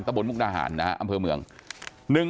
ตำบลมุกดาหารนะครับอำเภอเมือง